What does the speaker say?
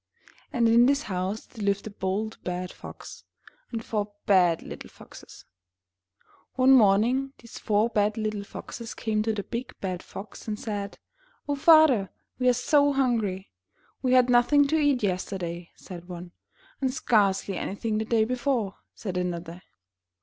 And in this house there lived A BOLD BAD FOX and FOUR BAD LITTLE FOXES. One morning these four bad little' foxes came to the big bad Fox and said: ''Oh, Father, we're so hungry!'' 'We had nothing to eat yesterday," said one. "And scarcely anything the day before," said another.